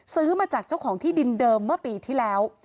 ซื้อมาจากเจ้าของที่ดินเดิมเมื่อปีที่แล้ว